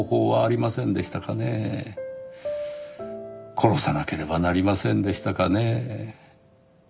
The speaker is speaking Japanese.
殺さなければなりませんでしたかねぇ。